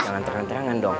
jangan terang terangan dong